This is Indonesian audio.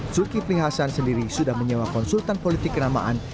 zulkifli hasan sendiri sudah menyewa konsultan politik kenamaan